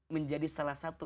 menjadi salah satu